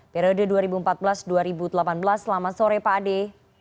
periode dua ribu empat belas dua ribu delapan belas selamat sore pak ade